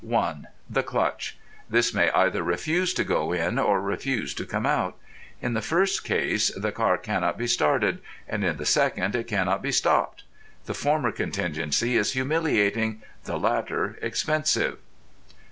(1) The Clutch. This may either refuse to go in or refuse to come out. In the first case the car cannot be started, and in the second it cannot be stopped. The former contingency is humiliating, the latter expensive.